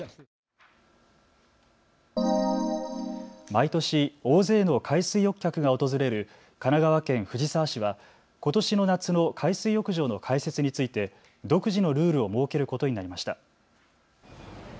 毎年、大勢の海水浴客が訪れる神奈川県藤沢市は、ことしの夏の海水浴場の開設について独自のルールを設けることになりました。